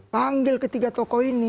panggil ketiga tokoh ini